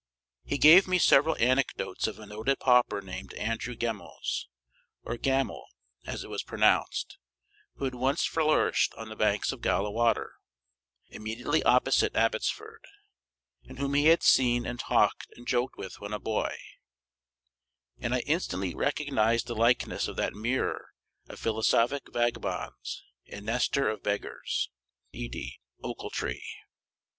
He gave me several anecdotes of a noted pauper named Andrew Gemmells, or Gammel, as it was pronounced, who had once flourished on the banks of Galla Water, immediately opposite Abbotsford, and whom he had seen and talked and joked with when a boy; and I instantly recognized the likeness of that mirror of philosophic vagabonds and Nestor of beggars, Edie Ochiltree.